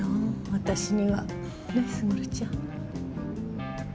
私には。ね？卓ちゃん。